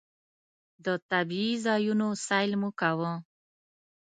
د طبعي ځایونو سیل مو کاوه.